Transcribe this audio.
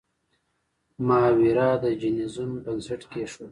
مهایورا د جینیزم بنسټ کیښود.